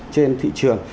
trên thị trường